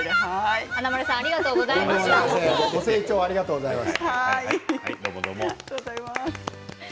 ご清聴ありがとうございます。